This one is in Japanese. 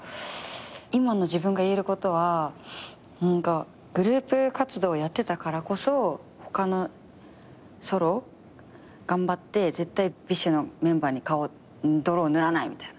今の自分が言えることはグループ活動やってたからこそ他のソロ頑張って絶対ＢｉＳＨのメンバーの顔に泥を塗らないみたいな。